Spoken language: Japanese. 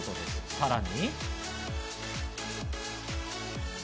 さらに。